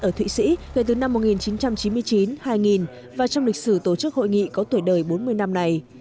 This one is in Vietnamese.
ở thụy sĩ kể từ năm một nghìn chín trăm chín mươi chín hai nghìn và trong lịch sử tổ chức hội nghị có tuổi đời bốn mươi năm này